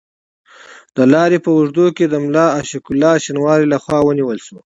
د لارې په اوږدو کې د ملا عاشق الله شینواري له خوا ونیول شو.